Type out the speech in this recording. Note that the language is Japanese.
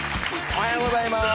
おはようございます。